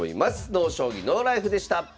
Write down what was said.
「ＮＯ将棋ＮＯＬＩＦＥ」でした。